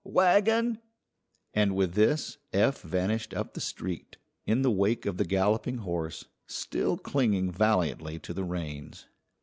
wagon?" And with this Eph vanished up street in the wake of the galloping horse, still clinging valiantly to the reins.